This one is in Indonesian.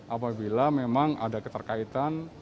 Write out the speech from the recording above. apabila memang ada keterkaitan